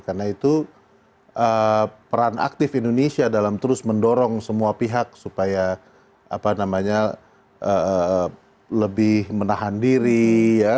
karena itu peran aktif indonesia dalam terus mendorong semua pihak supaya apa namanya lebih menahan diri ya